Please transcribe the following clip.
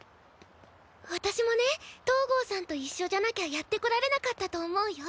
私もね東郷さんと一緒じゃなきゃやってこられなかったと思うよ。